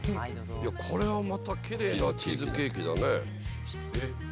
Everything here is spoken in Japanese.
これはまたキレイなチーズケーキだね。